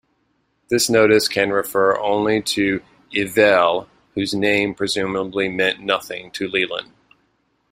This notice can refer only to Yevele, whose name presumably meant nothing to Leland.